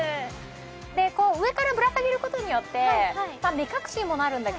こう上からぶら下げる事によって。